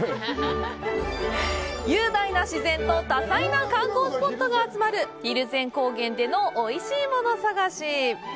雄大な自然と多彩な観光スポットが集まる蒜山高原でのおいしいもの探し。